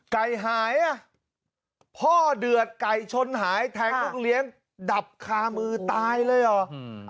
ไก่หายอ่ะพ่อเดือดไก่ชนหายแทงลูกเลี้ยงดับคามือตายเลยเหรอ